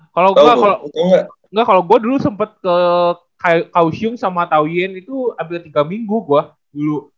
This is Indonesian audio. kalo gua kalo gua dulu sempet ke kaohsiung sama taoyuan itu ambil tiga minggu gua dulu